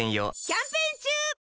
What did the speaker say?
キャンペーン中！